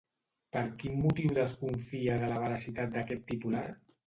Per quin motiu desconfia de la veracitat d'aquest titular?